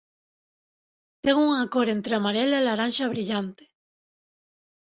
Ten unha cor entre amarela e laranxa brillante.